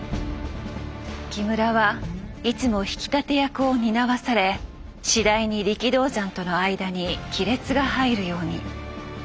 木村はいつも引き立て役を担わされ次第に力道山との間に亀裂が入るように。